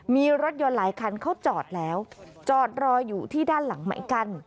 มีรถยนต์หลายคันเขาจอดแล้วจอดรออยู่ที่ด้านหลังเหมือนกัน